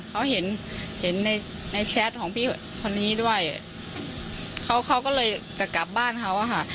เขาเห็นเห็นในในแชทของพี่คนนี้ด้วยเขาเขาก็เลยจะกลับบ้านเขาอะค่ะ